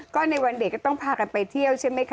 ก็ในวันเด็กก็ต้องพากันไปเที่ยวใช่ไหมคะ